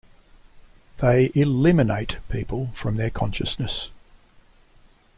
They "eliminate" people from their consciousness.